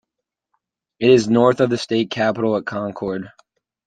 It is north of the state capital at Concord.